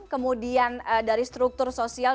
kemudian dari struktur sosial